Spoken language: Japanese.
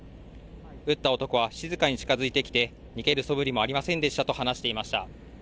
撃った男は静かに近づいてきて逃げるそぶりもありませんでしたと話していました。